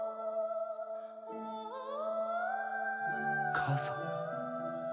母さん。